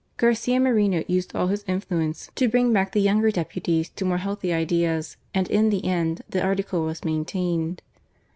Garcia Moreno used all his influence to bring back the younger deputies to more healthy ideas, and in the end the Article was maintained.